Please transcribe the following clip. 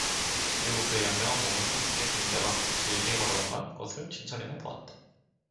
그리고 그의 양장한 몸에 수숫대 그림자가 길게 걸어나간 것을 신철이는 보았다.